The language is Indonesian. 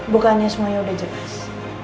bukannya semuanya udah jelas